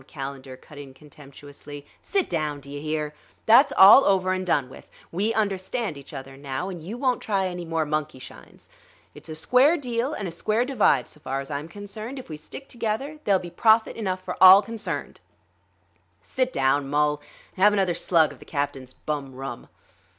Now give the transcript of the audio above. Calendar cut in contemptuously. "Sit down, d'you hear? That's all over and done with. We understand each other now, and you won't try any more monkey shines. It's a square deal and a square divide, so far's I'm concerned; if we stick together there'll be profit enough for all concerned. Sit down, Mul, and have another slug of the captain's bum rum."